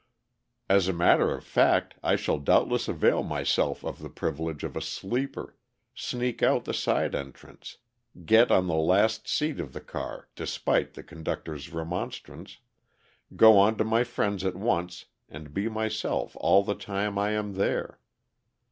As a matter of fact I shall doubtless avail myself of the privilege of a sleeper, sneak out the side entrance, get on the last seat of the car, despite the conductor's remonstrance, go on to my friends at once and be myself all the time I am there.